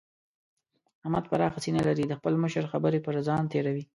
احمد پراخه سينه لري؛ د خپل مشر خبرې پر ځان تېروي.